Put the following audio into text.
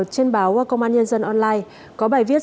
trên báo công an nhân dân online có bài viết